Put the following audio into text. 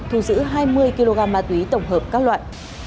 thu giữ hai mươi kg ma túy tổng hợp các loại